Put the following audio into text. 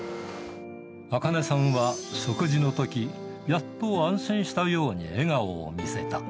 アカネさんは食事のとき、やっと安心したように笑顔を見せた。